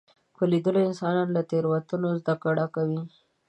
په لیدلو انسان له تېروتنو زده کړه کوي